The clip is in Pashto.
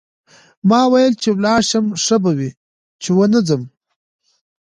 ما وویل چې ولاړ شم ښه به وي چې ونه ځم.